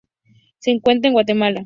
Se encuentra en Guatemala.